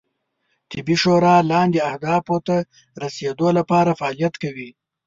طبي شورا لاندې اهدافو ته رسیدو لپاره فعالیت کوي